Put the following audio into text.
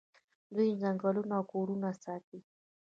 دوی ځنګلونه او کورونه ساتي.